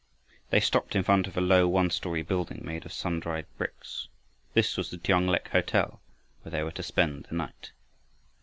They stopped in front of a low one story building made of sun dried bricks. This was the Tiong lek hotel where they were to spend the night.